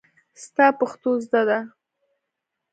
ستا پښتو زده ده.